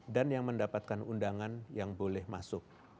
dan yang mendapatkan undangan yang boleh masuk